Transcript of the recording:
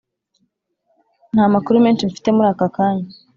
Nta makuru menshi mfite muri aka kanya